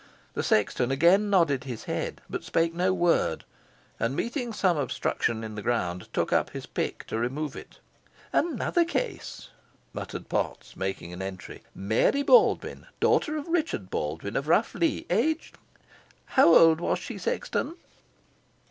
The sexton again nodded his head, but spake no word, and, meeting some obstruction in the ground, took up his pick to remove it. "Another case!" muttered Potts, making an entry. "Mary Baldwyn, daughter of Richard Baldwyn of Rough Lee, aged How old was she, sexton?"